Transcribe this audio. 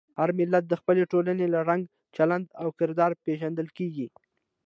هر ملت د خپلې ټولنې له رنګ، چلند او کردار پېژندل کېږي.